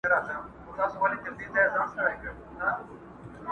نیمګړي عمر ته مي ورځي د پېغور پاته دي٫